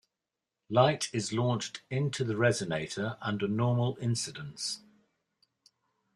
Light is launched into the resonator under normal incidence.